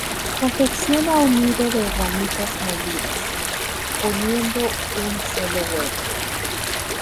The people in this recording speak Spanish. Confecciona un nido de ramitas molidas, poniendo un solo huevo.